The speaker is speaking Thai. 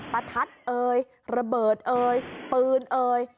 ประทัดเอ่ยระเบิดเอ่ยปืนเอ่ย